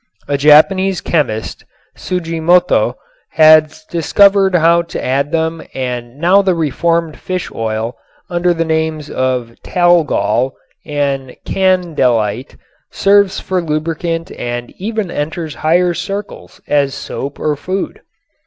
A Japanese chemist, Tsujimoto, has discovered how to add them and now the reformed fish oil under the names of "talgol" and "candelite" serves for lubricant and even enters higher circles as a soap or food.